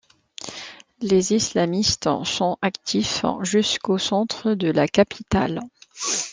Les islamistes sont actifs jusqu'au centre de la capitale.